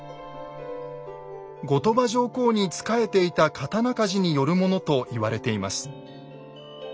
後鳥羽上皇に仕えていた刀鍛冶によるものと言われています。